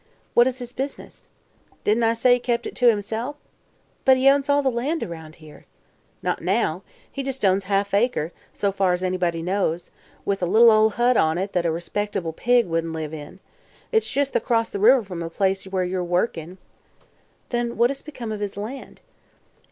"What is his business?" "Didn't I say he kep' it to himself?" "But he owns all the land around here." "Not now. He owns jest a half acre, so far's anybody knows, with a little ol' hut on it thet a respect'ble pig wouldn't live in. It's jes' acrost the river from the place where you're workin'." "Then what has become of his land?"